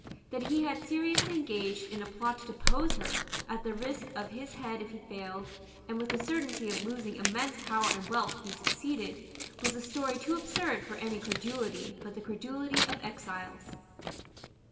That he had seriously engaged in a plot to depose her, at the risk of his head if he failed, and with the certainty of losing immense power and wealth if he succeeded, was a story too absurd for any credulity but the credulity of exiles.